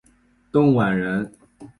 邓琬人。